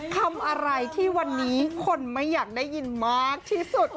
คำอะไรที่วันนี้คนไม่อยากได้ยินมากที่สุด